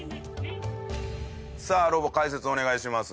さあロボ解説をお願いします。